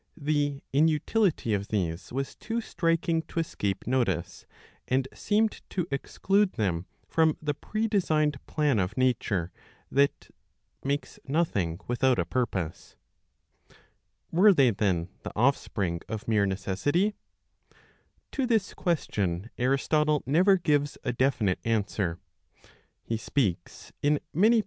The inutility of these was too striking to escape notice, and seemed to exclude them from the predesigned plan of Nature, that " makes nothing without a purpose." Were they then the offspring of mere necessity } To this question Aristotle never gives a definite answer. He speaks in many 1 Met. xi. (xii.) lo, I. X INTRODUCTION.